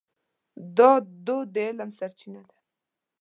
دا دود د علم سرچینه ده.